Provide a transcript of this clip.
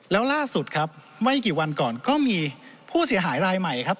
แล้วล่าสุดครับไม่กี่วันก่อนก็มีผู้เสียหายรายใหม่ครับ